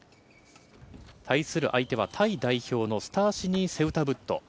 対する相手はタイ代表のスタシニ・セウタブット。